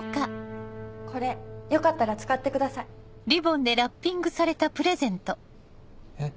これよかったら使ってくえっ？